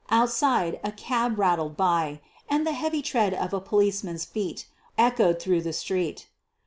Outside a cab rattled by and the heavy tread of a policeman's feet echoed through the street.